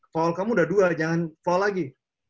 fall kamu udah dua jangan fall lagi